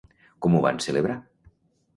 Com ho van celebrar?